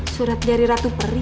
surat dari ratu peri